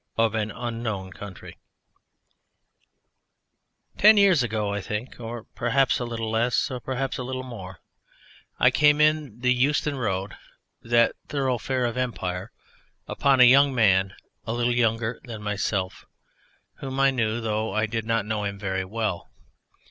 OF AN UNKNOWN COUNTRY Ten years ago, I think, or perhaps a little less or perhaps a little more, I came in the Euston Road that thoroughfare of Empire upon a young man a little younger than myself whom I knew, though I did not know him very well.